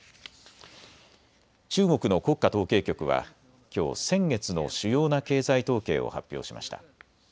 中国の国家統計局は、きょう先月の主要な経済統計を発表しました。